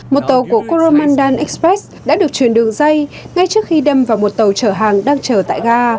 một tàu của koromandan express đã được chuyển đường dây ngay trước khi đâm vào một tàu chở hàng đang chở tại ga